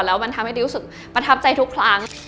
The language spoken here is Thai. แล้วมันทำให้ดิวรู้สึกประทับใจทุกครั้ง